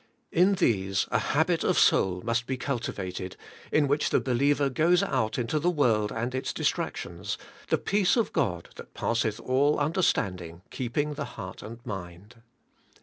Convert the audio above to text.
In these a habit 142 ABIDE IN CHRIST: of soul must be cultivated, in which the believer goes out into the world and its distractions, the peace of God, that passe th all understanding, keeping the heart and mind.